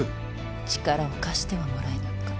力を貸してはもらえぬか？